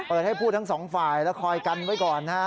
ให้พูดทั้งสองฝ่ายแล้วคอยกันไว้ก่อนนะฮะ